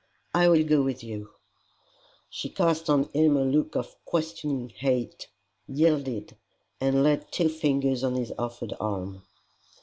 "I will go with you." She cast on him a look of questioning hate, yielded, and laid two fingers on his offered arm.